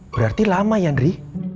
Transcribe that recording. berarti lama ya nri